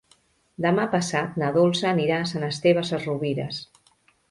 Demà passat na Dolça anirà a Sant Esteve Sesrovires.